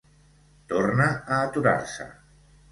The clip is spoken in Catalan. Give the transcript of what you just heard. Torna a aturar-se.